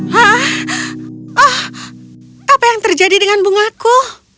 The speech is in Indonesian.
hah oh apa yang terjadi dengan bungaku